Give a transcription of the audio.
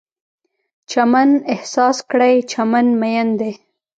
چمن احساس کړئ، چمن میین دی